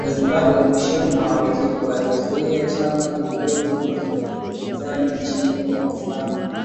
Polisi wa Zimbabwe mwishoni mwa wiki walikizuia chama kikuu cha upinzani nchini humo kufanya